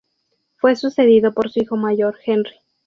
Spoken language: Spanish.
Fue sucedido por su hijo mayor, Henry.